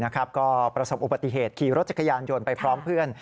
ก็ประสบอุบัติเหตุขี่รถจักรยานยนต์ไปพร้อมเพื่อน